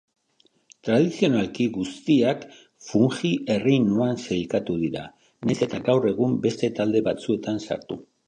Tradizionalki, guztiak Fungi erreinuan sailkatu dira, nahiz eta gaur egun beste talde batzuetan sartu.